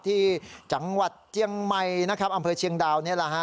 ที่จังหวัดเจียงใหม่นะครับอำเภอเชียงดาวนี่แหละฮะ